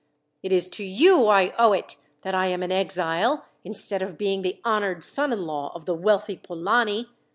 It is to you I owe it that I am an exile, instead of being the honoured son in law of the wealthy Polani.